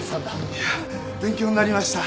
いや勉強になりました。